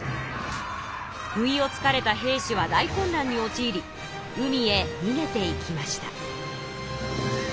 不意をつかれた平氏は大混乱におちいり海へにげていきました。